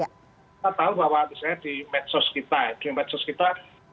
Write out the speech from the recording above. kita tahu bahwa misalnya di medsos kita di medsos kita